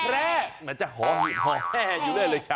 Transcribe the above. เหมือนจะหอแห้อยู่ได้เลยค่ะ